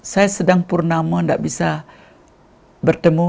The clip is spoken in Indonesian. saya sedang purnama tidak bisa bertemu